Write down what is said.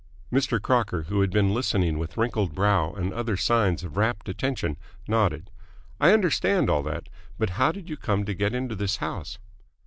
Mr. Crocker, who had been listening with wrinkled brow and other signs of rapt attention, nodded. "I understand all that. But how did you come to get into this house?"